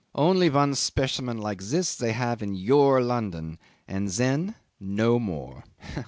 "Only one specimen like this they have in your London, and then no more.